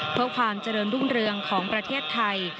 เพื่อความเจริญรุ่งเรืองของประเทศไทย